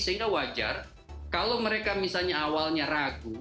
sehingga wajar kalau mereka misalnya awalnya ragu